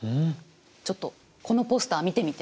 ちょっとこのポスター見てみて。